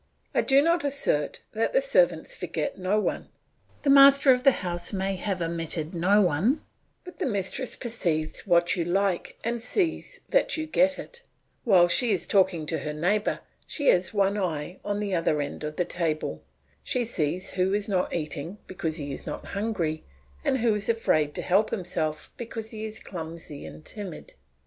I do not assert that the servants forget no one. The master of the house may have omitted no one, but the mistress perceives what you like and sees that you get it; while she is talking to her neighbour she has one eye on the other end of the table; she sees who is not eating because he is not hungry and who is afraid to help himself because he is clumsy and timid.